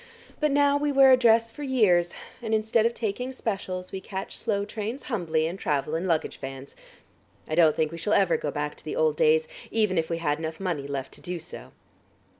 But now we wear a dress for years, and instead of taking specials we catch slow trains humbly, and travel in luggage vans. I don't think we shall ever go back to the old days, even if we had enough money left to do so."